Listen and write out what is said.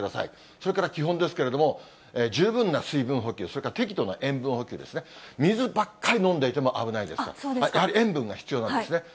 それから基本ですけれども、十分な水分補給、それから適度な塩分補給ですね、水ばっかり飲んでいても危ないですから、やはり塩分が必要なんですね。